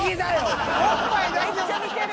めっちゃ見てる！